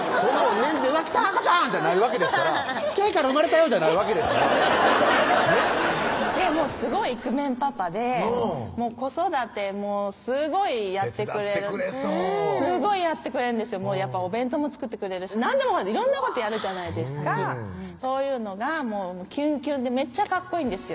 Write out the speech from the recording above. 念じて「うわっ来た赤ちゃん！」じゃないわけですから「Ｋから産まれたよ」じゃないわけですからねっでもすごいイクメンパパで子育てすごいやってくれる手伝ってくれそうすごいやってくれるんですよやっぱお弁当も作ってくれるし色んなことやるじゃないですかそういうのがキュンキュンでめっちゃかっこいいんですよ